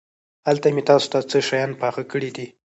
هلته مې تاسو ته څه شيان پاخه کړي دي.